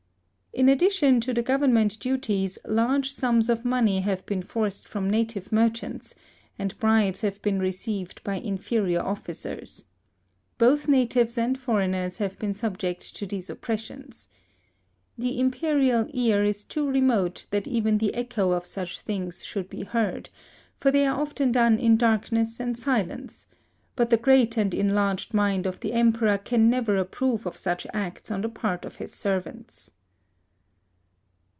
In addition to the government duties, large sums of money have been forced from native merchants, and bribes have been received by inferior officers. Both natives and foreigners have been subject to these oppressions. The Imperial ear is too remote that even the echo of such things should be heard, for they are often done in darkness and silence; but the great and enlarged mind of the Emperor can never approve of such acts on the part of his servants.